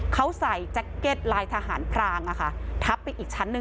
เขาใส่แจ็คเก็ตลายทหารพรางอะค่ะทับไปอีกชั้นหนึ่ง